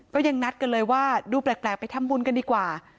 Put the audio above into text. ก็ยังนัดกันเลยว่าดูแปลกไปทำบุญกันดีกว่า